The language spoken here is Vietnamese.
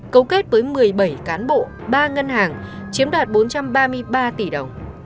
cấu kết với một mươi bảy cán bộ ba ngân hàng chiếm đoạt bốn trăm ba mươi ba tỷ đồng